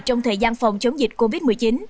trong thời gian phòng chống dịch covid một mươi chín